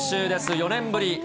４年ぶり。